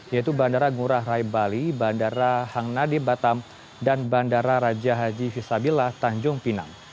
yaitu bandara ngurah rai bali bandara hang nadie batam dan bandara raja haji visabila tanjung pinang